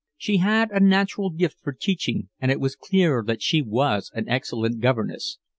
She had a natural gift for teaching, and it was clear that she was an excellent governess.